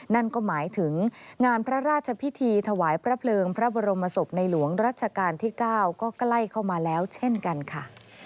นั่นก็หมายถึงงานพระราชพิธีถวายพระเพลิงพระบรมศพในหลวงรัชกาลที่๙ก็ใกล้เข้ามาแล้วเช่นกันค่ะ